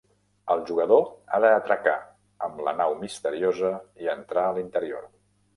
El jugador ha d'atracar amb la nau misteriosa i entrar a l'interior.